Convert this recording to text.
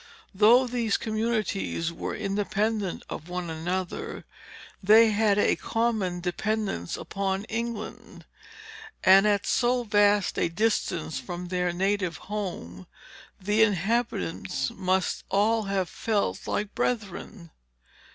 Though these communities were independent of one another, yet they had a common dependence upon England; and, at so vast a distance from their native home, the inhabitants must all have felt like brethren.